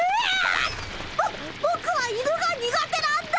ぼぼくは犬が苦手なんだ！